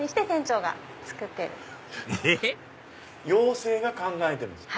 妖精が考えてるんですか？